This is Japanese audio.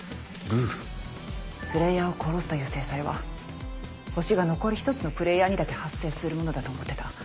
プレイヤーを殺すという制裁は星が残り１つのプレイヤーにだけ発生するものだと思ってた。